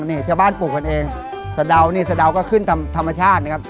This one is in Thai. นี่ชาวบ้านปลูกกันเองสะดาวนี่สะดาวก็ขึ้นตามธรรมชาตินะครับ